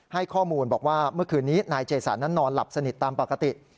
ให้ข้อมูลบอกว่าเมื่อคืนนี้นายเจสันนั้นนอนหลับสนิทตามปกติ